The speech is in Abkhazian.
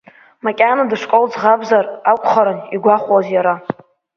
Макьана дышкол ӡӷабзар акәхарын игәахәуан иара.